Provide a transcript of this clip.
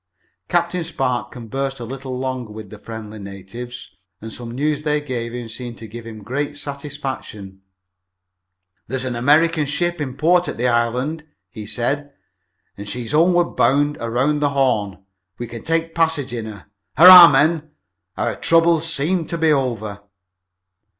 Captain Spark conversed a little longer with the friendly savages, and some news they gave him seemed to give him great satisfaction. "There's an American ship in port at the island," he said, "and she's homeward bound around the Horn. We can take passage in her. Hurrah, men, our troubles seem to be over!"